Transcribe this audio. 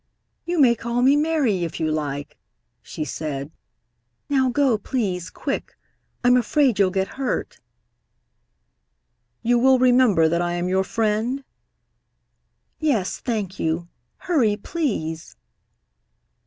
"You may call me Mary if you like," she said. "Now go, please, quick! I'm afraid you'll get hurt." "You will remember that I am your friend?" "Yes, thank you. Hurry, please!"